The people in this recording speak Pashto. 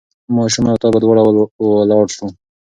ما او تا به دواړه ولاړ سو